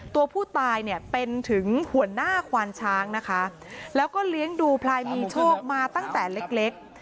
ตัวผู้ตายเนี่ยเป็นถึงหัวหน้าควานช้างนะคะแล้วก็เลี้ยงดูพลายมีโชคมาตั้งแต่เล็ก